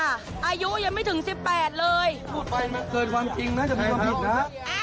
อายุยังไม่ถึงสิบแปดเลยพูดไปมันเกิดความจริงน่าจะมีความผิดนะเอ้า